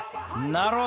なるほど。